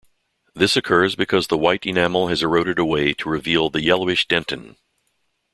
This occurs because the white enamel has eroded away to reveal the yellowish dentin.